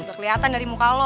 udah kelihatan dari muka lo